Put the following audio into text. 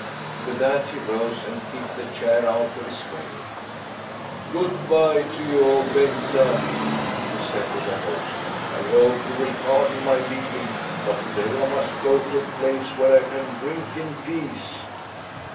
With that he rose and kicked the chair out of his way. "Good bye to you, Ol' Bengtsa," he said to the host. "I hope you will pardon my leaving, but to day I must go to a place where I can drink in peace."